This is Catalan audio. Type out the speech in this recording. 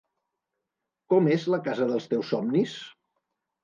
Com és la casa dels teus somnis?